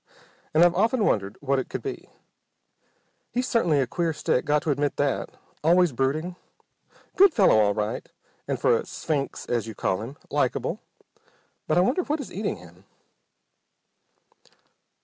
And I've often wondered what it could be. He certainly's a queer stick. Got to admit that. Always brooding. Good fellow all right, and, for a 'sphinx' as you call him, likable. But I wonder what is eating him?"